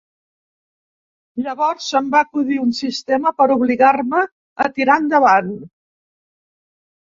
Llavors se'm va acudir un sistema per obligar-me a tirar endavant.